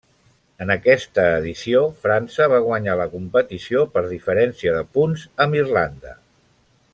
En aquesta edició, França va guanyar la competició per diferència de punts amb Irlanda.